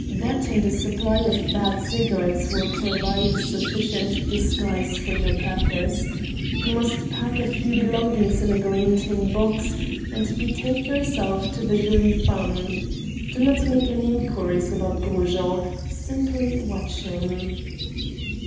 That, and a supply of bad cigarettes, will provide a sufficient disguise for your purpose. You must pack a few belongings in a green tin box and betake yourself to the Jolies Femmes. Do not make any inquiries about Gros Jean. Simply watch him."